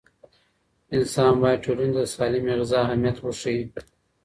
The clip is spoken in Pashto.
انسان باید ټولنې ته د سالمې غذا اهمیت وښيي.